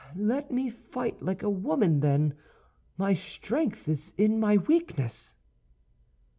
Let me fight like a woman, then; my strength is in my weakness."